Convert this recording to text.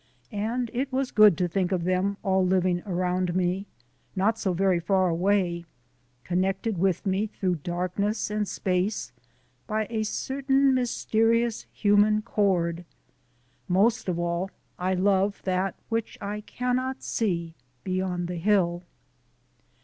And it was good to think of them all living around me, not so very far away, connected with me through darkness and space by a certain mysterious human cord. Most of all I love that which I cannot see beyond the hill.